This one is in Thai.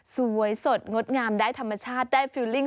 สวยสดงดงามได้ธรรมชาติได้ฟิลลิ่ง